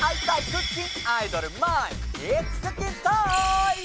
クッキンアイドルまいん！